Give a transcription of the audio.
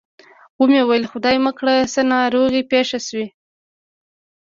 و مې ویل خدای مه کړه څه ناروغي پېښه شوې.